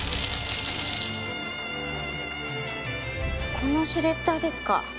このシュレッダーですか？